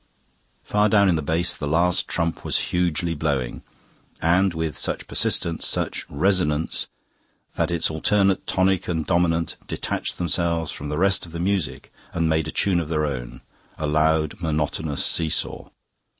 Far down in the bass the Last Trump was hugely blowing, and with such persistence, such resonance, that its alternate tonic and dominant detached themselves from the rest of the music and made a tune of their own, a loud, monotonous see saw.